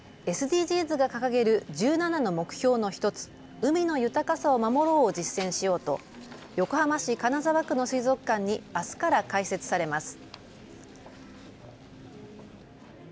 ＳＤＧｓが掲げる１７の目標の１つ、海の豊かさを守ろうを実践しようと横浜市金沢区の水族館にあすから開設されます。